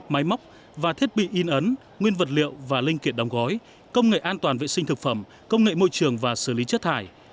máy móc và thiết bị in ấn nguyên vật liệu và linh kiện đóng gói công nghệ an toàn vệ sinh thực phẩm công nghệ môi trường và xử lý chất thải